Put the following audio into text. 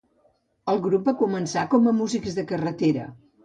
El grup va començar com a músics de carretera.